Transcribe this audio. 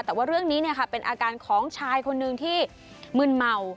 แต่ว่าเรื่องนี้เป็นอาการของชายคนหนึ่งที่มึนเมา